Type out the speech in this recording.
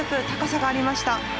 高さがありました。